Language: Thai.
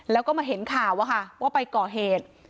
แล้วก็มาเห็นข่าวว่าไปก่อเหตุ